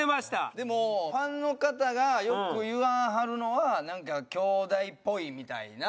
でもファンの方がよく言わはるのはなんか「兄弟っぽい」みたいな。